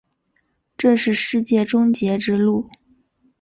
这是世界终结之路。